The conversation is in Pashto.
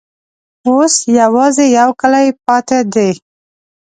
اوس یوازي یو کلی پاته دی.